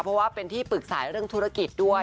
เพราะว่าเป็นที่ปรึกษาเรื่องธุรกิจด้วย